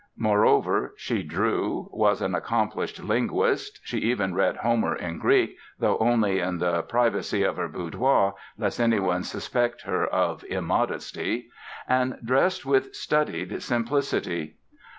Moreover, she drew, was an accomplished linguist (she even read Homer in Greek, though only in the privacy of her boudoir, lest anyone suspect her of "immodesty"), and dressed with studied simplicity.